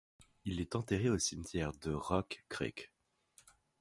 Il est enterré au cimetière de Rock Creek.